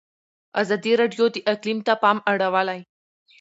ازادي راډیو د اقلیم ته پام اړولی.